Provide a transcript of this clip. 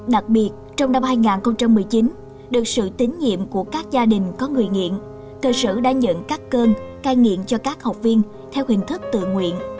đặc biệt trong năm hai nghìn một mươi chín được sự tín nhiệm của các gia đình có người nghiện cơ sở đã nhận các cơn cai nghiện cho các học viên theo hình thức tự nguyện